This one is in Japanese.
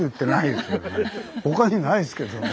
他にないですけどね。